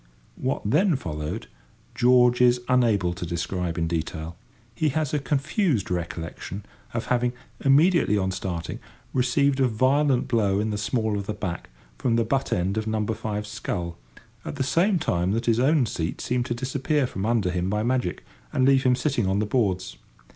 What then followed George is unable to describe in detail. He has a confused recollection of having, immediately on starting, received a violent blow in the small of the back from the butt end of number five's scull, at the same time that his own seat seemed to disappear from under him by magic, and leave him sitting on the boards.